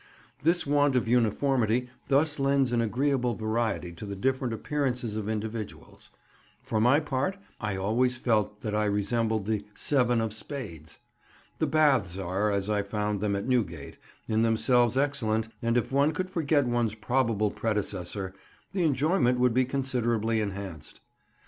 This want of uniformity thus lends an agreeable variety to the different appearances of individuals; for my part, I always felt that I resembled the "Seven of Spades." The Baths are, as I found them at Newgate, in themselves excellent, and if one could forget one's probable predecessor, the enjoyment would be considerably enhanced.